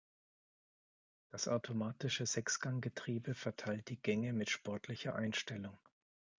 Das automatische Sechsgang-Getriebe verteilt die Gänge mit sportlicher Einstellung.